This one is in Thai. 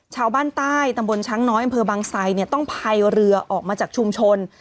ชาวบ้านใต้ตำบลช้างน้อยอำเภอบางไซเนี่ยต้องพายเรือออกมาจากชุมชน